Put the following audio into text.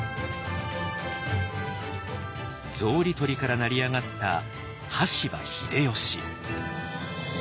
草履取りから成り上がった羽柴秀吉。